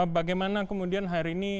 bagaimana kemudian hari ini